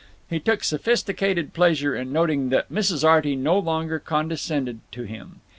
He took sophisticated pleasure in noting that Mrs. Arty no longer condescended to him.